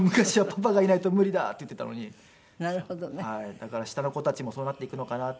だから下の子たちもそうなっていくのかなって。